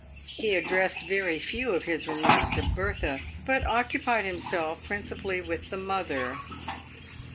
He ad dressed very few of his remarks to Bertha, but occupied himself prin cipally with the mother.